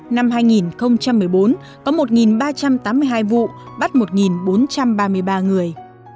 năm hai nghìn một mươi bốn có một ba trăm tám mươi hai vụ bắt một bốn trăm ba mươi ba người